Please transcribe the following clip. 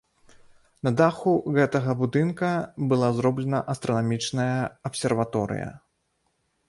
На даху гэтага будынка была зроблена астранамічная абсерваторыя.